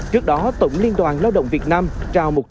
trước đó tổng liên đoàn lao động việt nam trao một